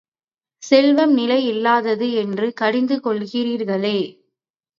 செல்வம் நிலையில்லாதது என்று கடிந்து கொள்ளுகிறீர்களே!